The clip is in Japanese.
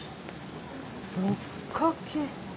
ぼっかけ。